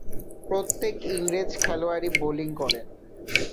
প্রত্যেক ইংরেজ খেলোয়াড়ই বোলিং করেন।